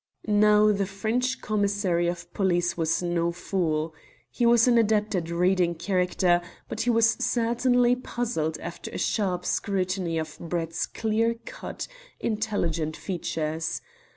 Now, the French Commissary of Police was no fool. He was an adept at reading character, but he was certainly puzzled after a sharp scrutiny of Brett's clear cut, intelligent features.